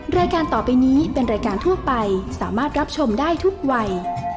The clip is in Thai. รายการต่อไปนี้เป็นรายการทั่วไปสามารถรับชมได้ทุกวัย